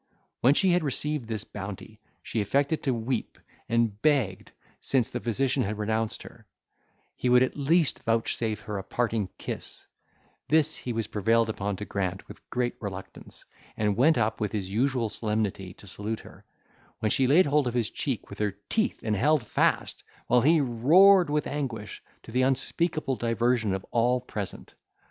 When she had received this bounty, she affected to weep, and begged, since the physician had renounced her, he would at least vouchsafe her a parting kiss; this he was prevailed upon to grant with great reluctance, and went up with his usual solemnity to salute her, when she laid hold of his cheek with her teeth, and held fast, while he roared with anguish, to the unspeakable diversion of all present.